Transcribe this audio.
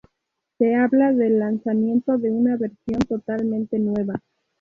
Se habla del lanzamiento de una versión totalmente nueva.